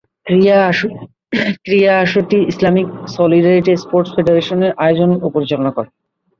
ক্রীড়া আসরটি Islamic solidarity sports federation আয়োজন ও পরিচালনা করে।